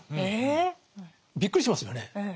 え⁉びっくりしますよね。